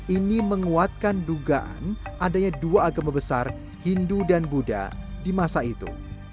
ini menguatkan dugaan adanya dua agama besar hindu dan buddha di masa itu